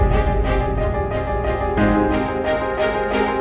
hei bapak guys